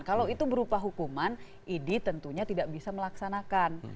kalau itu berupa hukuman idi tentunya tidak bisa melaksanakan